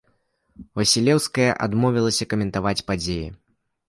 Васілеўская адмовілася каментаваць падзеі.